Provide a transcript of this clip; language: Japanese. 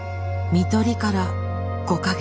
看取りから５か月。